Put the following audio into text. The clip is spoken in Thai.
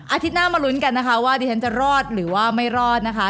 อาทิตย์หน้ามาลุ้นกันนะคะว่าดิฉันจะรอดหรือว่าไม่รอดนะคะ